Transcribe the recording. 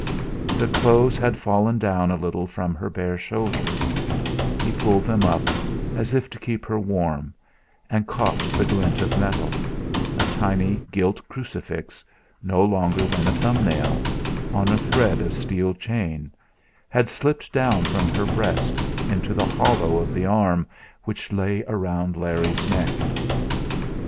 The clothes had fallen down a little from her bare shoulder; he pulled them up, as if to keep her warm, and caught the glint of metal; a tiny gilt crucifix no longer than a thumbnail, on a thread of steel chain, had slipped down from her breast into the hollow of the arm which lay round Larry's neck.